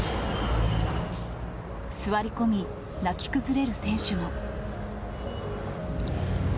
座り込み、泣き崩れる選手も。